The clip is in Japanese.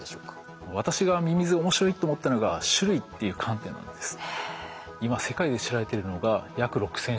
私がミミズ面白いと思ったのが種類っていう観点なんです。